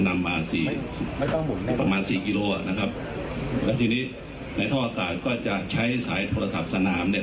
นำมาสี่ประมาณสี่กิโลนะครับแล้วทีนี้ในท่อากาศก็จะใช้สายโทรศัพท์สนามเนี้ย